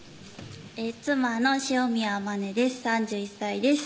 妻の汐宮あまねです３１歳です